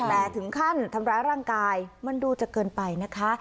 แต่ถึงขั้นทำร้ายร่างกายมันดูจะเกินไปนะคะ